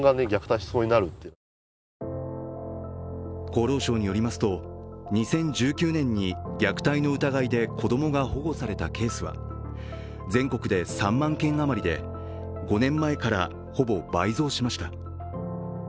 厚労省によりますと２０１９年に虐待の疑いで子供が保護されたケースは全国で３万件あまりで５年前からほぼ倍増しました。